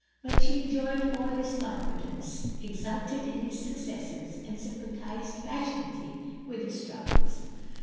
But she enjoyed all his confidence, exulted in his successes, and sympathised pas sionately with his troubles.